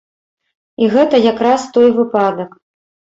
І гэта якраз той выпадак.